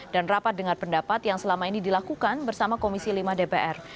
dan rapat dengan pendapat yang selama ini dilakukan bersama komisi lima dpr